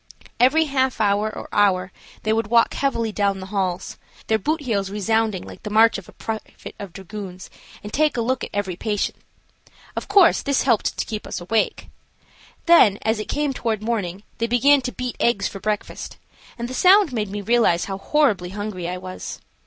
Every half hour or hour they would walk heavily down the halls, their boot heels resounding like the march of a private of dragoons, and take a look at every patient. Of course this helped to keep us awake. Then as it came toward morning, they began to beat eggs for breakfast, and the sound made me realize how horribly hungry I was.